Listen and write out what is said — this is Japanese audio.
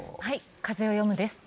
「風をよむ」です。